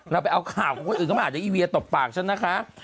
เราไปเอาข่าวของคนอื่นเข้ามาอาจจะอีเวียตบปากฉันนะคะ